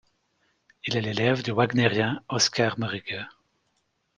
Il est l'élève du wagnérien Oskar Möricke.